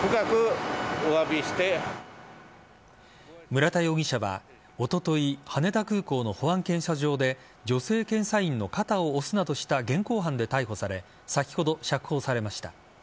村田容疑者は、おととい羽田空港の保安検査場で女性検査員の肩を押すなどした現行犯で逮捕され先ほど、釈放されました。